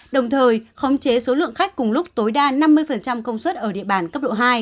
đồng thời khống chế số lượng khách cùng lúc tối đa năm mươi công suất ở địa bàn cấp độ hai